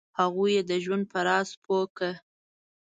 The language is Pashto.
هغوی یې د ژوند په راز پوه کړه.